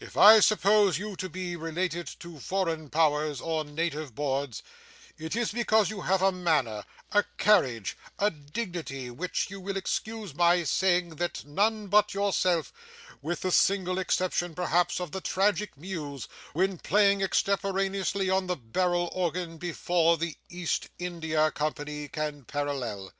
If I supposed you to be related to Foreign Powers or Native Boards, it is because you have a manner, a carriage, a dignity, which you will excuse my saying that none but yourself (with the single exception perhaps of the tragic muse, when playing extemporaneously on the barrel organ before the East India Company) can parallel.